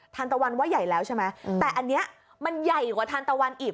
ตะวันว่าใหญ่แล้วใช่ไหมแต่อันนี้มันใหญ่กว่าทานตะวันอีก